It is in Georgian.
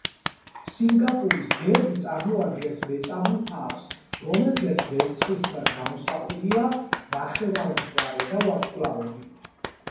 სინგაპურის გერბი წარმოადგენს მეწამულ ფარს, რომელზეც ვერცხლისფრად გამოსახულია ნახევარმთვარე და ვარსკვლავები.